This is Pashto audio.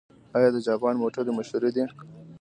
آیا د جاپان موټرې مشهورې دي؟